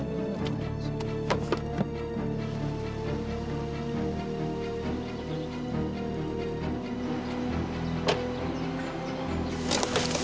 pak ada apa ya